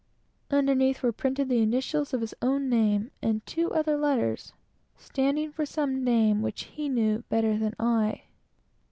Underneath were printed the initials of his own name, and two other letters, standing for some name which he knew better than I did.